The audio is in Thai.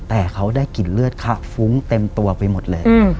แต่เขาได้กลิ่นเลือดคะฟุ้งเต็มตัวไปหมดเลย